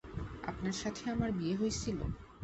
আপনার সাথে আমার বিয়ে হইসিলো?